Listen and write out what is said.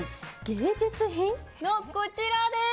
芸術品のこちらです。